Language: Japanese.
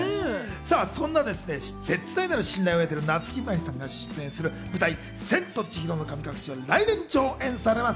そんな絶大なる信頼を得ている夏木マリさんが出演する舞台『千と千尋の神隠し』は来年上演されます。